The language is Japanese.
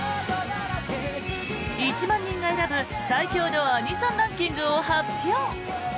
１万人が選ぶ最強のアニソンランキングを発表。